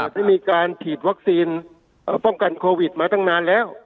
ได้มีการฉีดวัคซีนป้องกันโควิดมาตั้งนานแล้ว